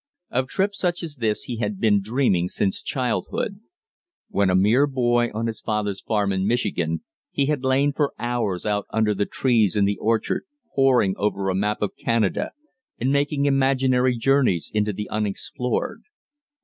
Of trips such as this he had been dreaming since childhood. When a mere boy on his father's farm in Michigan, he had lain for hours out under the trees in the orchard poring over a map of Canada and making imaginary journeys into the unexplored.